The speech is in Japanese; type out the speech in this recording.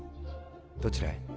どちらへ？